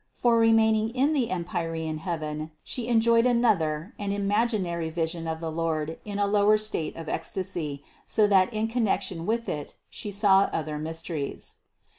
For, remaining in the empyrean heaven, She enjoyed another, an imaginary vision of the Lord in a lower state of ecstasy, so that in connection with it, She saw other mysteries.